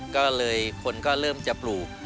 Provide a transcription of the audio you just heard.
ก็เลยคนก็เริ่มจะปลูก